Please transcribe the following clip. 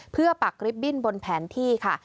เพื่อปักริบบิ้นบนแผนที่ค่ะ